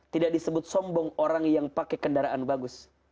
tidak disebut sombong orang yang pakai kendaraan bagus